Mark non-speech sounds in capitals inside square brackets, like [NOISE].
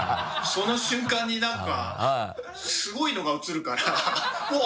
その瞬間に何かすごいのが映るから [LAUGHS]